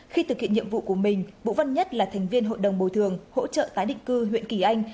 khi thực hiện nhiệm vụ của mình vũ văn nhất là thành viên hội đồng bồi thường hỗ trợ tái định cư huyện kỳ anh